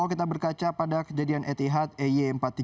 kalau kita berkaca pada kejadian etihad ey empat ratus tiga puluh empat